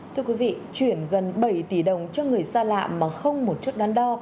thưa quý vị chuyển gần bảy tỷ đồng cho người xa lạ mà không một chút đắn đo